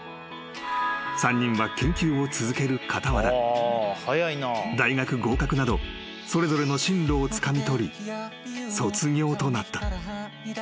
［３人は研究を続ける傍ら大学合格などそれぞれの進路をつかみ取り卒業となった］